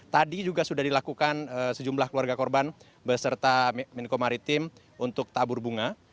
tadi juga sudah dilakukan sejumlah keluarga korban beserta menko maritim untuk tabur bunga